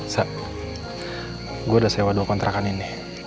sa gue udah sewa dua kontrakan ini